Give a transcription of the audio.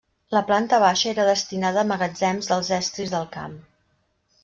La planta baixa era destinada a magatzems dels estris del camp.